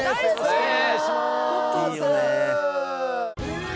お願いします！